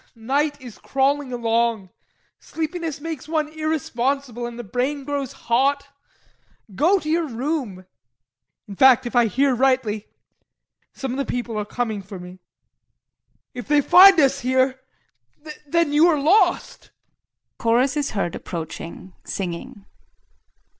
Night is crawling along, sleepiness makes one irresponsible and the brain grows hot. Go to your room. In fact if I hear rightly some of the people are coming for me. If they find us here then you are lost. [Chorus is heard approaching, singing.